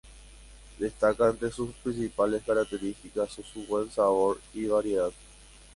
Destaca entre sus principales características su buen sabor y variedad.